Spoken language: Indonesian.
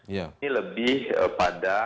ini lebih pada